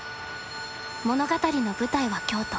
物語の舞台は京都。